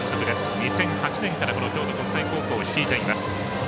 ２００８年から京都国際高校を率いています。